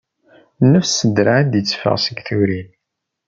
Nnefs s ddraɛ i d-itteffaɣ seg turin.